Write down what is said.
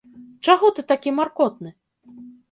Чаго ты такі маркотны?